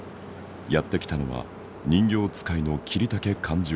やって来たのは人形遣いの桐竹勘十郎。